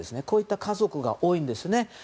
こういった家族が多いんですね。